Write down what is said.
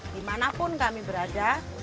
dimanapun kami berada